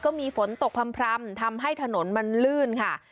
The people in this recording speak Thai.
ก็มีฝนตกพร่ำทำให้ถนนมันลื่นค่ะ